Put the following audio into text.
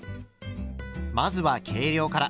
まずは計量から。